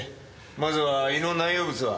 まずは胃の内容物は？